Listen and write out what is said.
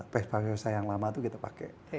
pespa pespa yang lama itu kita pakai